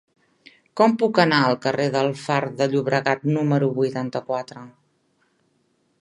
Com puc anar al carrer del Far de Llobregat número vuitanta-quatre?